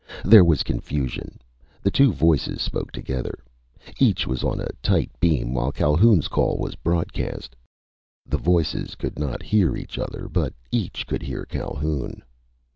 There was confusion. The two voices spoke together. Each was on a tight beam, while Calhoun's call was broadcast. The voices could not hear each other, but each could hear Calhoun.